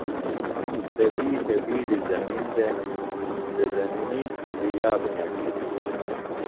سےۡ دِیشہ بِیڈیۡ زمِن دےۡ۔ سےۡ زمنیم جُھلیۡ یاب ہنسِلیۡ دےۡ۔